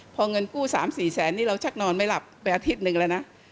พอเงินกู้๓๔แสนนี่เราชักนอนไม่หลับไปอาทิตย์หนึ่งแล้วนะ